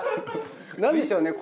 なんでしょうね？